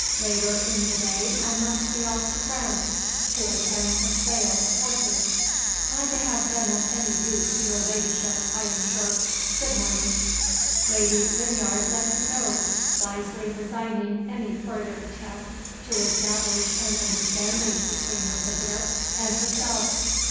Later in the day I must be off to France to attend a sale of horses. Glad to have been of any use to your Ladyship, I am sure. Good morning." Lady Lydiard let him go, wisely resigning any further attempt to establish an understanding between her visitor and herself.